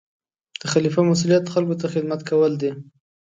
د خلیفه مسؤلیت خلکو ته خدمت کول دي.